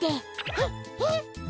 えっ？えっ？